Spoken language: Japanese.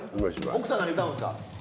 奥さん何歌うんですか？